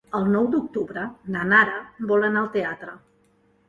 El nou d'octubre na Nara vol anar al teatre.